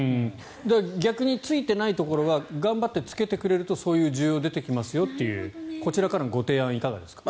逆についてないところは頑張ってつけてくれるとそういう需要が出てきますよというこういう提案はいかがですか？